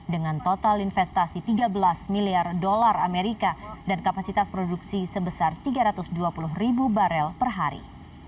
dengan total investasi tiga belas miliar dolar amerika dan kapasitas produksi sebesar tiga ratus dua puluh ribu barel per hari